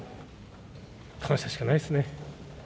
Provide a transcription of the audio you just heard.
感謝しかないですね。